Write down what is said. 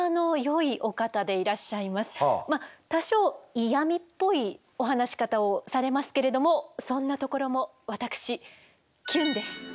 多少嫌みっぽいお話し方をされますけれどもそんなところも私え？